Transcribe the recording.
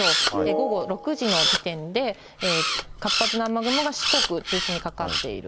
午後６時の時点で、活発な雨雲が四国中心にかかっている。